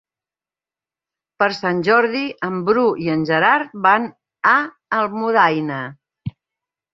Per Sant Jordi en Bru i en Gerard van a Almudaina.